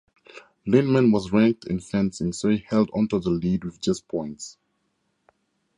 Lindman was ranked in fencing, so he held onto the lead with just points.